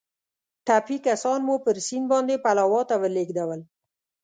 ټپي کسان مو پر سیند باندې پلاوا ته ولېږدول.